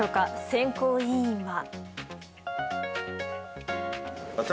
選考委員は。